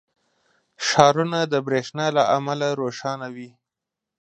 • ښارونه د برېښنا له امله روښانه وي.